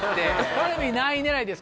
カルビ何位狙いですか？